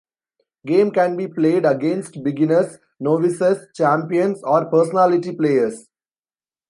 Game can be played against beginners, novices, champions, or personality players.